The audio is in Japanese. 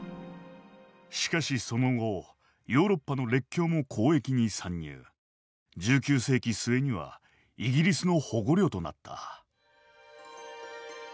しかしその後ヨーロッパの列強も交易に参入１９世紀末にはイギリスの保護領となった。